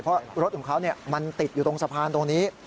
เพราะรถของเขามันติดอยู่ตรงสะพานตรงนี้